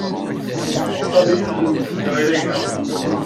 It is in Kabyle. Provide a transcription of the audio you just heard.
Sami yezen-d tugna i Layla.